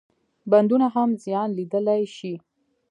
بندونه هم زیان لیدلای شي.